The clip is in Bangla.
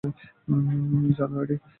জানো, এডি?